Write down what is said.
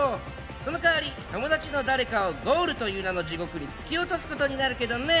その代わり友達の誰かをゴールという名の地獄に突き落とす事になるけどね！